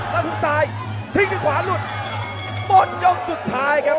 และฮุกซ้ายทิ้งที่ขวาหลุดบนยงสุดท้ายครับ